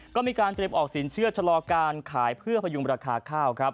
ก็มีการเตรียมออกสินเชื่อชะลอการขายเพื่อพยุงราคาข้าวครับ